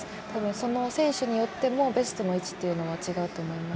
その選手によってもベストの位置っていうのは違うと思います。